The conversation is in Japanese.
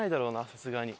さすがに。